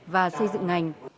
và xây dựng ngành